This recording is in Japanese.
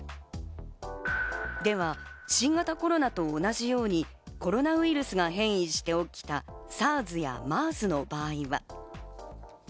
では新型コロナと同じようにコロナウイルスが変異して起きたＳＡＲＳやＭＥＲＳの場合は。